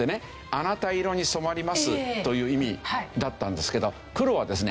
「あなた色に染まります」という意味だったんですけど黒はですね